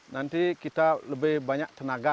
nanti kita lebih banyak tenaga